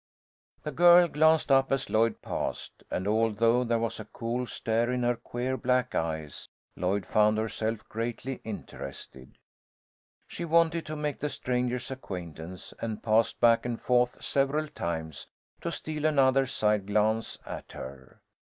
The girl glanced up as Lloyd passed, and although there was a cool stare in her queer black eyes, Lloyd found herself greatly interested. She wanted to make the stranger's acquaintance, and passed back and forth several times, to steal another side glance at her.